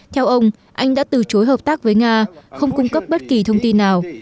theo ông anh đã từ chối hợp tác với nga không cung cấp bất kỳ thông tin nào